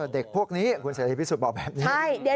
เด็กพวกนี้คุณเสรีพิสุทธิ์บอกแบบนี้